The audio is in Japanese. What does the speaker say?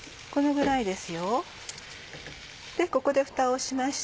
このぐらいです。